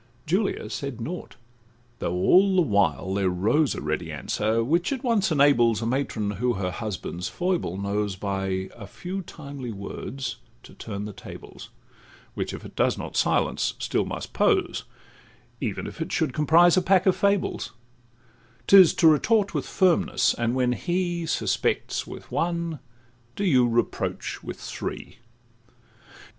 Julia said nought; though all the while there rose A ready answer, which at once enables A matron, who her husband's foible knows, By a few timely words to turn the tables, Which, if it does not silence, still must pose,— Even if it should comprise a pack of fables; 'Tis to retort with firmness, and when he Suspects with one, do you reproach with three.